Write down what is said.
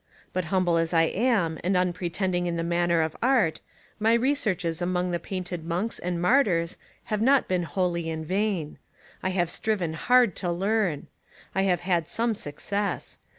But humble as I am and un pretending in the matter of Art, my researches among the painted monks and martyrs have not been wholly in vain. I have striven hard to learn. I have had some success.